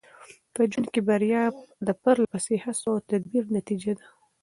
په ژوند کې بریا د پرله پسې هڅو او تدبیر نتیجه ده.